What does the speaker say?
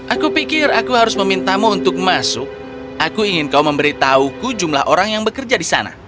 aku pikir aku harus memintamu untuk masuk aku ingin kau memberitahuku jumlah orang yang bekerja di sana